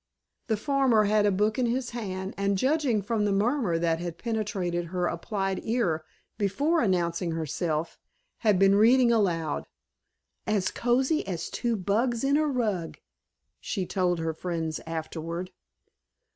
The former had a book in his hand, and, judging from the murmur that had penetrated her applied ear before announcing herself, had been reading aloud. ("As cozy as two bugs in a rug," she told her friends afterward.)